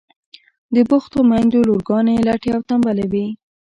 د بوختو میندو لورگانې لټې او تنبلې وي.